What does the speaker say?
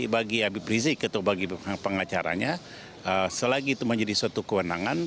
bagi habib rizik atau bagi pengacaranya selagi itu menjadi suatu kewenangan